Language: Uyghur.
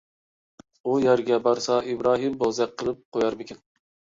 ئۇ يەرگە بارسا ئىبراھىم بوزەك قىلىپ قويارمىكىن.